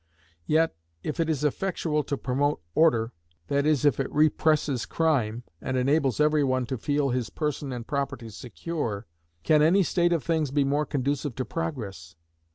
Yet, if it is effectual to promote Order, that is, if it represses crime, and enables every one to feel his person and property secure, can any state of things be more conducive to Progress?